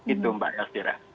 itu mbak yasira